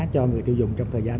cho người tiêu dùng trong thời gian